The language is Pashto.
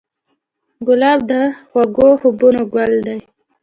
ګلاب د خوږو خوبونو ګل دی.